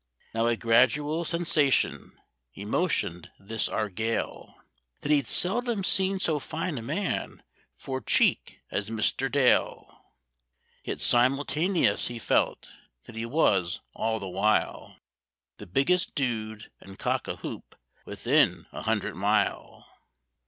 Now a gradual sensation emotioned this our Gale, That he'd seldom seen so fine a man for cheek as Mr. Dale; Yet simultaneous he felt that he was all the while The biggest dude and cock a hoop within a hundred mile.